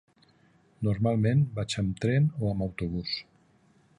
Normalment vaig amb tren o amb autobús.